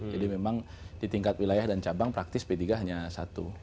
jadi memang di tingkat wilayah dan cabang praktis p tiga hanya satu